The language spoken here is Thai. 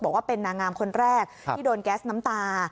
บอกว่าเป็นนางงามคนแรกที่โดนแก๊สน้ำตา